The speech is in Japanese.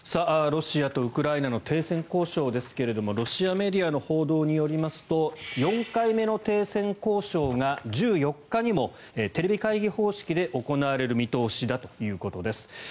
ロシアとウクライナの停戦交渉ですがロシアメディアの報道によりますと、４回目の停戦交渉が１４日にもテレビ会議方式で行われる見通しだということです。